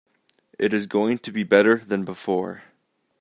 It is going to be better than before.